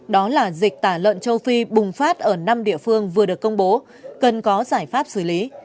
đó là dịch tả lợn châu phi bùng phát ở năm địa phương vừa được công bố cần có giải pháp xử lý